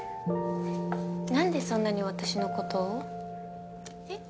なんでそんなに私のことを？え？